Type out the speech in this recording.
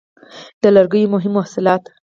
د لرګیو مهم محصولات: